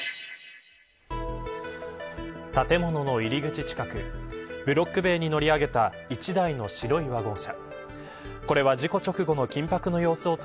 建物の入り口近くブロック塀に乗り上げた１台の白いワゴン車。